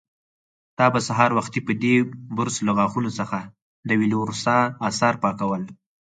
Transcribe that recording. تا به سهار وختي په دې برس له غاښونو څخه د وېلاروسا آثار پاکول.